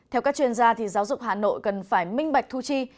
theo các chuyên gia giáo dục hà nội cần phải minh bạch thu chi